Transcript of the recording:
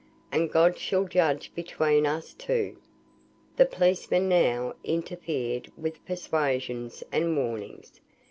And God shall judge between us two." The policeman now interfered with persuasions and warnings.